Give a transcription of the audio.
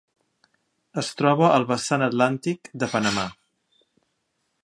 Es troba al vessant atlàntic de Panamà.